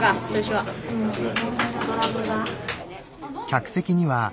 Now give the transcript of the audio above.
はい！